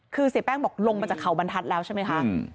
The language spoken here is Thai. คือเสียแป้งบอกลงมาจากเขาบรรทัศน์แล้วใช่ไหมคะ